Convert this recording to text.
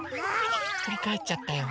ひっくりかえっちゃったよ。